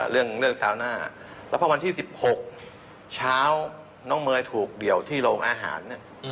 เรื่องซาวหน้าแล้วพอวันที่๑๖เช้าน้องเมย์ถูกเดี่ยวที่โรงอาหาร